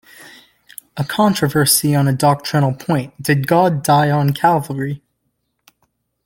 A controversy on a doctrinal point Did God die on Calvary?